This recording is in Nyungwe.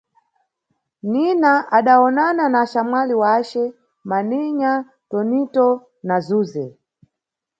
Nina adawonana na axamwali wace: Maninya, Tonito na Zuze.